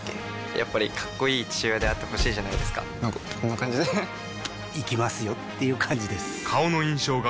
やっぱりかっこいい父親であってほしいじゃないですかなんかこんな感じで行きますよっていう感じです